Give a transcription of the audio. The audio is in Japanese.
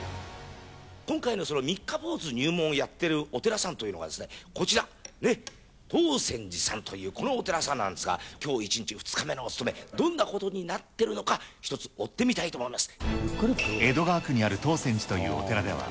今回の三日坊主入門やっているお寺さんというのがね、こちら、唐泉寺さんという、このお寺さんなんですが、きょう１日、２日目のお勤め、どんなことになっているのか、一つ追ってみたいと思います。